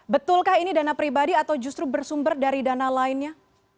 betulkah ini dana pribadi atau justru bersumber dari dana lainnya